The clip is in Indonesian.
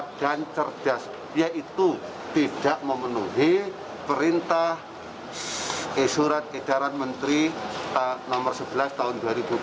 yang cerdas yaitu tidak memenuhi perintah surat edaran menteri nomor sebelas tahun dua ribu dua puluh